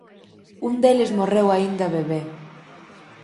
Un deles morreu aínda bebé.